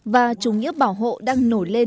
và chủ nghĩa bảo hộ đang nổi lên